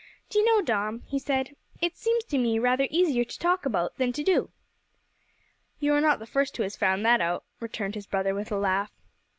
"D'you know, Dom," he said, "it seems to me rather easier to talk about than to do?" "You are not the first who has found that out," returned his brother, with a laugh.